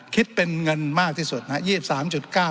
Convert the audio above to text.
คิดเป็นเงินมากที่สุดนะครับ